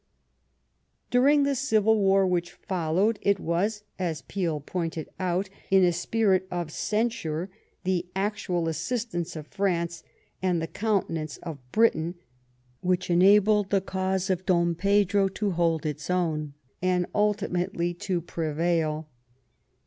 During the civil war which followed it was, as Peel pointed out in a spirit of censure, the " actual assistance of France and the countenance of Britain," which enabled the cause of Dom Pedro to hold its own, and ultimately to prevail.